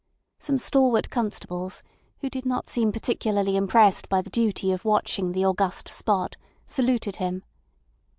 Some stalwart constables, who did not seem particularly impressed by the duty of watching the august spot, saluted him.